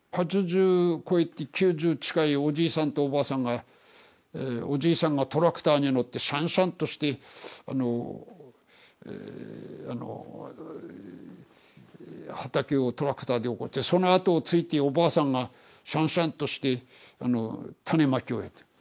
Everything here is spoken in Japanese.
８０こえて９０近いおじいさんとおばあさんがおじいさんがトラクターに乗ってしゃんしゃんとしてあの畑をトラクターで起こしてそのあとをついておばあさんがしゃんしゃんとして種まきをやってる。